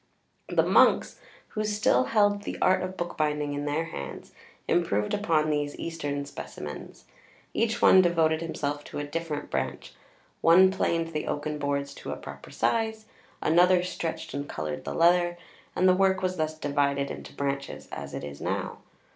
The monks, who still held the Art of Bookbinding in their hands, improved upon these Eastern |xiii| specimens. Each one devoted himself to a different branch: one planed the oaken boards to a proper size, another stretched and coloured the leather; and the work was thus divided into branches, as it is now.